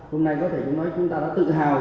hôm nay có thể nói chúng ta đã tự hào